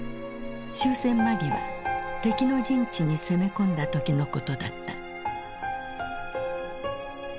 終戦間際敵の陣地に攻め込んだ時のことだった。